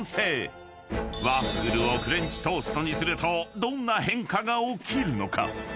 ［ワッフルをフレンチトーストにするとどんな変化が起きるのか⁉］